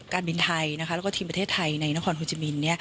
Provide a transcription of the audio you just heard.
การบินไทยแล้วก็ทีมประเทศไทยในนครโฮจิมิน